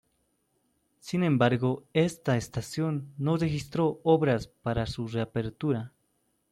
Sin embargo esta estación no registró obras para su reapertura.